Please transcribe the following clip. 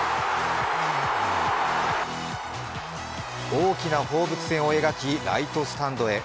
大きな放物線を描きライトスタンドへ。